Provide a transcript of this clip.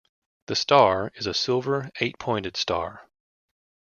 The "star" is a silver, eight-pointed star.